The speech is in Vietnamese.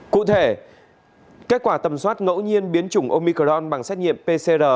cụ thể kết quả tầm soát ngẫu nhiên biến chủng omicron bằng xét nghiệm pcr